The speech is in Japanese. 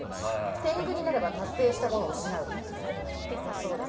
天狗になれば達成したものを失うだそうです。